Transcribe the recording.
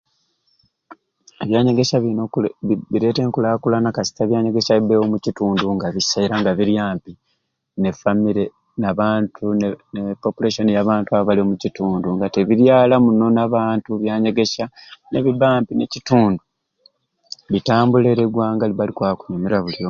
Ebyanyegesya biyina oku bi bireeta enkulaakulana kasita ebyanyegesya bibaawo omu kitundu nga busai era nga biri ampi ne famire n'abantu ne ne ne populeshoni y'abantu omukitundu nga tebiri alai muno n'abantu ebyanyegesya ne bibba ampi omukitundu bitambula era eggwanga libba likwaba kunyumira buli omwe.